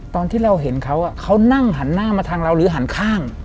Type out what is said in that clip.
ตอนที่เราเห็นเขาเขานั่งหันหน้ามาทางเราหรือหันข้าง